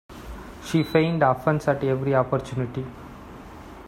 She feigned offense at every opportunity.